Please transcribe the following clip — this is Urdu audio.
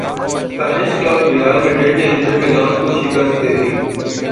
اسپینش کلب ریال میڈرڈ نے انٹر میلان کو شکست دے دی